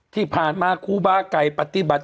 ที่ผ่านมาครูบาไก่ปฏิบัติ